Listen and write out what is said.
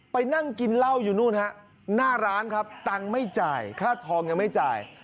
ไปนั่งกินเหล้าอยู่นู่นฮะหน้าร้านครับตังค์ไม่จ่ายค่าทองยังไม่จ่าย